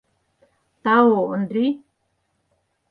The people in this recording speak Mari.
— Тау, Ондрий.